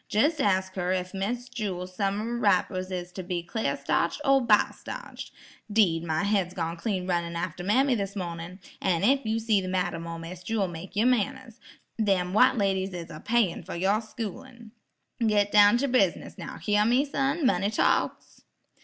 Jes' ask her ef Miss Jewel's summer wrappers is to be clar starched or biled starched. 'Deed, my head's clean gone runnin' after mammy this mornin'. An' ef you see the madam or Miss Jewel, make yer manners. Them white ladies is apayin' fer yer schoolin'. Git down ter bus'ness, now, hyar me, son? money talks."